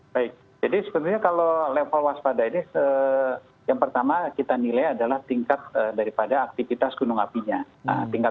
baik jadi sebetulnya kalau level waspada ini yang pertama kita nilai adalah tingkat daripada aktivitas gunung apinya